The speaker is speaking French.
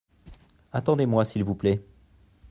Attendez-moi s’il vous plait.